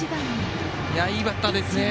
いいバッターですね。